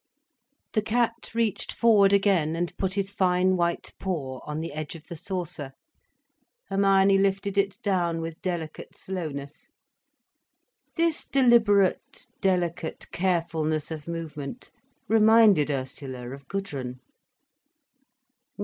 The cat reached forward again and put his fine white paw on the edge of the saucer. Hermione lifted it down with delicate slowness. This deliberate, delicate carefulness of movement reminded Ursula of Gudrun.